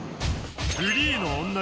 フリーの女